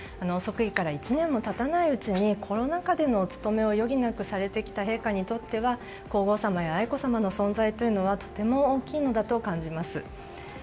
即位から１年も経たないうちにコロナ禍でのお務めを余儀なくされてきた陛下にとっては皇后さまや愛子さまの存在というのはとても大きいのだと感じます。